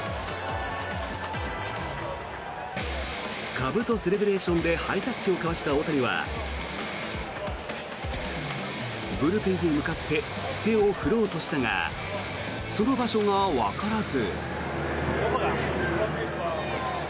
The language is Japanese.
かぶとセレブレーションでハイタッチを交わした大谷はブルペンに向かって手を振ろうとしたがその場所がわからず。